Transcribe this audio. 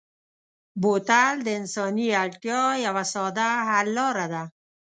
بوتل د انساني اړتیا یوه ساده حل لاره ده.